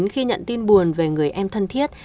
khi nhận tin buồn về người em thân thiết